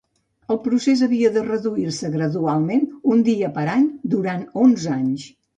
El procés havia de reduir-se gradualment un dia per any, durant onze anys.